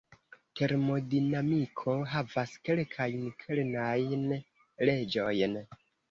Termodinamiko havas kelkajn kernajn leĝojn.